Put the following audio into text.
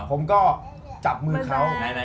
ผมก็จับมือเขา